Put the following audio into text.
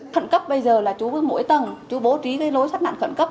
thuận cấp bây giờ là chú bước mỗi tầng chú bố trí cái lối thoát nạn thuận cấp